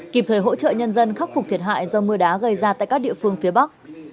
kịp thời hỗ trợ nhân dân khắc phục thiệt hại do mưa đá gây ra tại các địa phương phía bắc